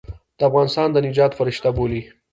د افغانستان د نجات فرشته بولي.